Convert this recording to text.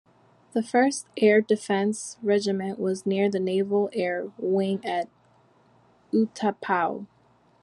The First Air Defence Regiment was near the Naval Air Wing at Utapao.